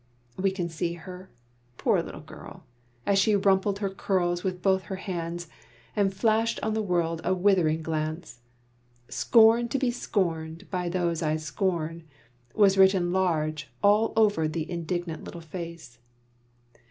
We can see her poor little girl as she rumpled her curls with both her hands, and flashed on the world a withering glance. "Scorn to be scorned by those I scorn" was written large all over the indignant little face.